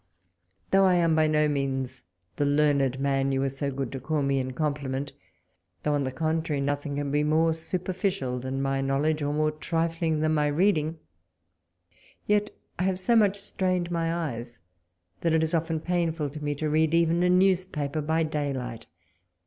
Though I am by no means the learned man you are so good as to call me in'' compli ment ; though, on the contrary, nothing can be more superficial than my knowledge, or more trifling than my reading, — yet, I have so much strained my eyes that it is often painful to me to read even a newspaper by daylight.